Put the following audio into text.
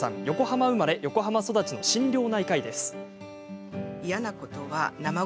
横浜生まれ横浜育ちの心療内科医です。